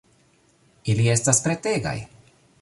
Ili estas pretegaj